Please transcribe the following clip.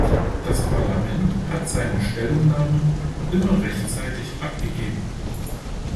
Das Parlament hat seine Stellungnahmen immer rechtzeitig abgegeben.